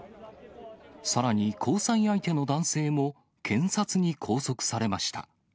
さらに交際相手の男性も、検察に拘束されました。